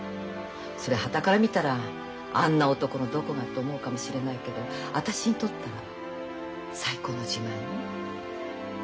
そりゃはたから見たら「あんな男のどこが」って思うかもしれないけど私にとったら最高の自慢よ。